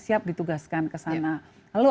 siap ditugaskan ke sana lalu